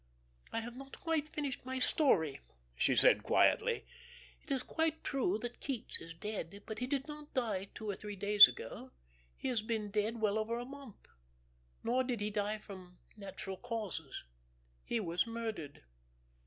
"I have not quite finished my story," she said quietly. "It is quite true that Keats is dead; but he did not die two or three days ago, he has been dead well over a month. Nor did he die from natural causes. He was murdered.